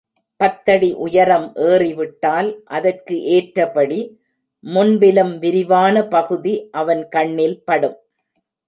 பத்தடி உயரம் ஏறிவிட்டால் அதற்கு ஏற்றபடி முன்பிலும் விரிவான பகுதி அவன் கண்ணில் படும்.